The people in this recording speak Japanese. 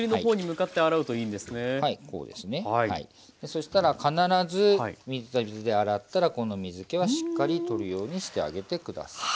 そしたら必ず水で洗ったらこの水けはしっかり取るようにしてあげて下さい。